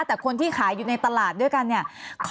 แต่คนที่ขายอยู่ในตลาดด้วยกันเนี่ย